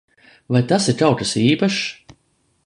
Vai tas ir kaut kas īpašs?